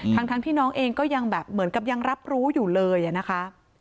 ทั้งที่น้องเองก็ยังแบบเหมือนกับยังรับรู้อยู่เลยอะนะคะ